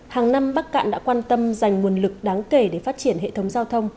hàng năm bắc cạn đã quan tâm dành nguồn lực đáng kể để phát triển hệ thống giao thông